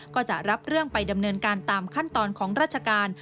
ก็จะรับเรื่องไปดำเนินการตามขั้นตอนของราชการ